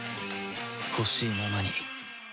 ほしいままに